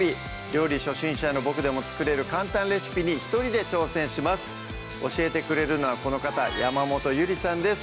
料理初心者のボクでも作れる簡単レシピに一人で挑戦します教えてくれるのはこの方山本ゆりさんです